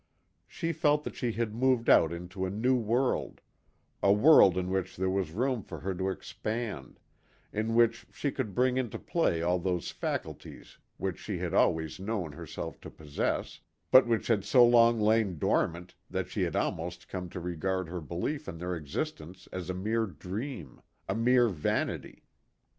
She felt that she had moved out into a new world, a world in which there was room for her to expand, in which she could bring into play all those faculties which she had always known herself to possess, but which had so long lain dormant that she had almost come to regard her belief in their existence as a mere dream, a mere vanity.